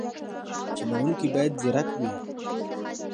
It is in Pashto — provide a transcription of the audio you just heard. چلوونکی باید ځیرک وي.